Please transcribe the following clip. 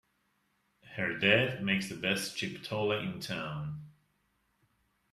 Her dad makes the best chipotle in town!